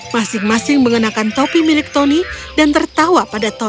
masing masing mengenakan topi milik tony dan tertawa pada ton